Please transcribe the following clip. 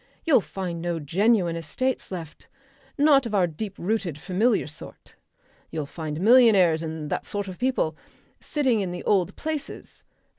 You'll find no genuine estates left, not of our deep rooted familiar sort. You'll find millionaires and that sort of people, sitting in the old places.